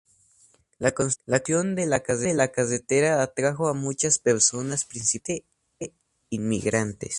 La construcción de la carretera atrajo a muchas personas, principalmente inmigrantes.